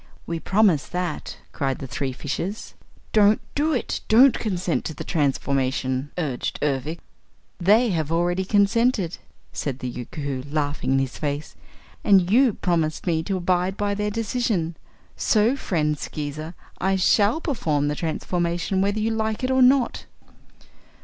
"We promise that," cried the three fishes. "Don't do it! Don't consent to the transformation," urged Ervic. "They have already consented," said the Yookoohoo, laughing in his face, "and you have promised me to abide by their decision. So, friend Skeezer, I shall perform the transformation whether you like it or not."